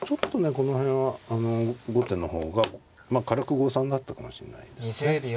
この辺は後手の方がまあ軽く誤算だったかもしれないですね。